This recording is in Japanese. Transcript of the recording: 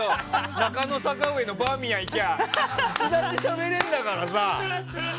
中野坂上のバーミヤン行けばいつだってしゃべれるんだからさ。